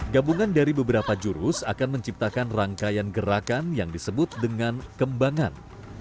gabungan dari beberapa jurus akan menciptakan rangkaian gerakan yang disebut dengan kembangan